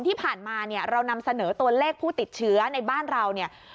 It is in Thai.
ที่ผ่านมาเรานำเสนอตัวเลขผู้ติดเชื้อในบ้านเรา